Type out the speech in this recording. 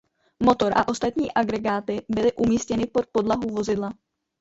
Motor a ostatní agregáty byly umístěny pod podlahu vozidla.